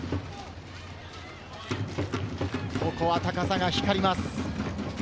ここは高さが光ります。